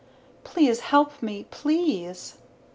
Please help me, please!"